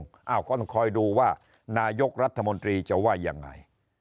ก็ต้องคอยดูว่านายกรัฐมนตรีจะว่ายังไง